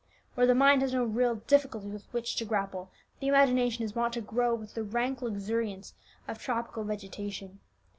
Where the mind has no real difficulties with which to grapple, the imagination is wont to grow with the rank luxuriance of tropical vegetation.